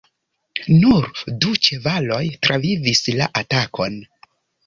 Nur du ĉevaloj travivis la atakon.